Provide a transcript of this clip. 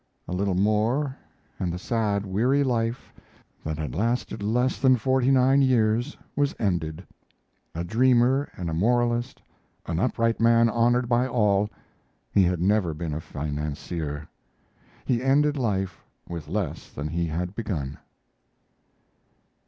A little more, and the sad, weary life that had lasted less than forty nine years was ended: A dreamer and a moralist, an upright man honored by all, he had never been a financier. He ended life with less than he had begun.